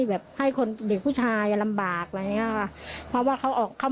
เขาก็เลยมาอยู่กับพ่อเด็กครับ